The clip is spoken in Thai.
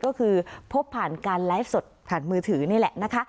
ก็คือพบผ่านการไลฟ์สดผ่านมือถือนี่แหละนะคะ